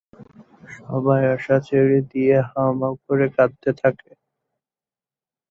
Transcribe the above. সবাই আশা ছেড়ে দিয়ে হাউমাউ করে কাঁদতে থাকে।